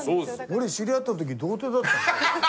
俺知り合った時童貞だったんだよ。